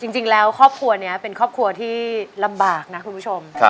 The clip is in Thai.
จริงแล้วครอบครัวนี้เป็นครอบครัวที่ลำบากนะคุณผู้ชม